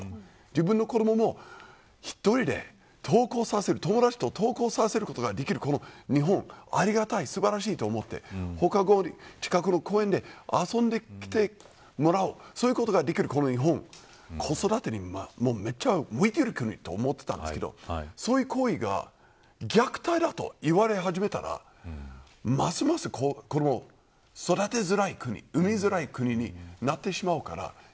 自分の子どもも１人で登校させる友達と登校させることができる日本というのはありがたくて素晴らしいと思って放課後、近くの公園で遊んできてもらうことができる日本というのは子育てに、めっちゃ向いている国だと思っていたんですけどそういう行為が虐待だと言われ始めたら子どもを育てづらい生みづらい国になってしまうのかなと思います。